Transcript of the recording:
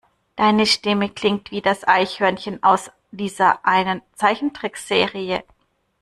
Deine Stimme klingt wie das Eichhörnchen aus dieser einen Zeichentrickserie.